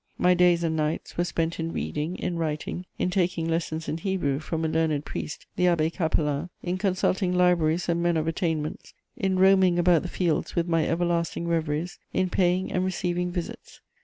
My days and nights were spent in reading, in writing, in taking lessons in Hebrew from a learned priest, the Abbé Capelan, in consulting libraries and men of attainments, in roaming about the fields with my everlasting reveries, in paying and receiving visits.